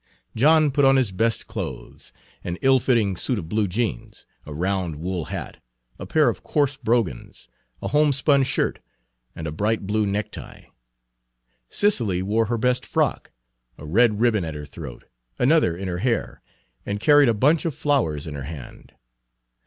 John put on his best clothes, an ill fitting suit of blue jeans, a round wool hat, a pair of coarse brogans, a homespun shirt, and a bright blue necktie. Cicely wore her best frock, a red ribbon at her throat, another in her hair, and carried a bunch of flowers in her hand.